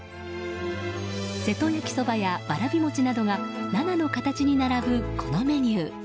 瀬戸焼きそばやわらび餅などが７の形に並ぶ、このメニュー。